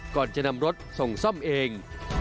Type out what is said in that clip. ก่อนจะนำรถส่งซ่อมเอง